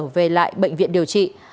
về lại bệnh viện điều trị